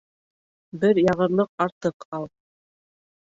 Бер яғырлыҡ артыҡ ал.